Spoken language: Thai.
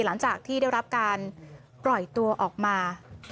หลังจากที่ได้รับการปล่อยตัวออกมา